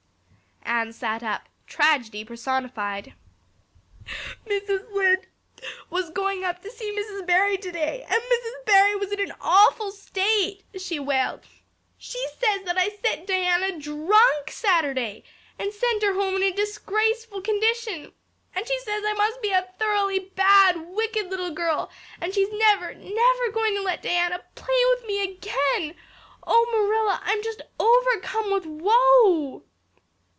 Anne sat up, tragedy personified. "Mrs. Lynde was up to see Mrs. Barry today and Mrs. Barry was in an awful state," she wailed. "She says that I set Diana drunk Saturday and sent her home in a disgraceful condition. And she says I must be a thoroughly bad, wicked little girl and she's never, never going to let Diana play with me again. Oh, Marilla, I'm just overcome with woe."